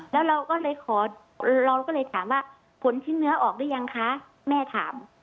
แล้วเราก็เลยขอเราก็เลยถามว่าผลชิ้นเนื้อออกหรือยังคะแม่ถาม